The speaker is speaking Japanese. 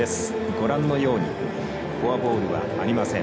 ご覧のように、フォアボールはありません。